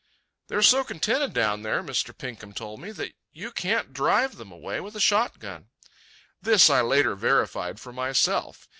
"They are so contented down there," Mr. Pinkham told me, "that you can't drive them away with a shot gun." This I later verified for myself.